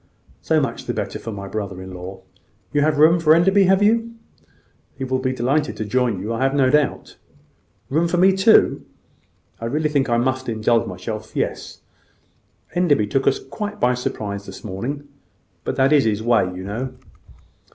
"So much the better for my brother in law. You have room for Enderby, have you? He will be delighted to join you, I have no doubt. Room for me too? I really think I must indulge myself. Yes; Enderby took us quite by surprise this morning: but that is his way, you know."